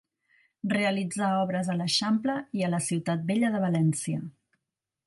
Realitzà obres a l'Eixample i a la Ciutat Vella de València.